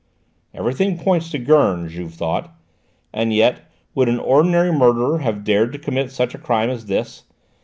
"Everything points to Gurn," Juve thought, "and yet would an ordinary murderer have dared to commit such a crime as this?